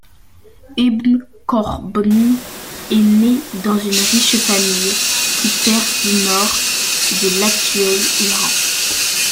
Ibn Khordadbeh est né dans une riche famille perse du nord de l'actuel Iran.